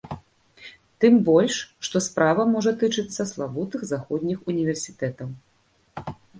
Тым больш, што справа можа тычыцца славутых заходніх універсітэтаў.